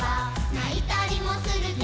「ないたりもするけれど」